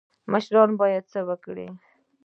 مشران باید څه وکړي؟